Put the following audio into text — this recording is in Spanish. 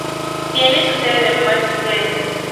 Tiene su sede en Marysville.